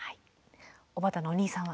おばたのお兄さんは？